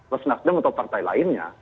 lesternak dengan partai lainnya